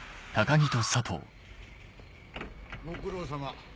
ご苦労さま。